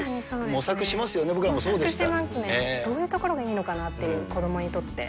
模索しますよね、僕らもそうしますね、どういうところがいいのかなって、子どもにとって。